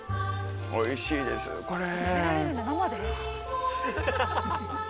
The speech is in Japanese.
おいしいですこれ。